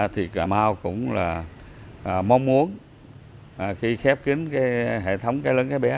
thì cà mau cũng là mong muốn khi khép kín cái hệ thống cái lớn cái bé